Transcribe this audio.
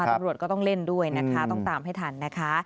ตำรวจก็ต้องเล่นด้วยนะคะต้องตามให้ทันนะคะ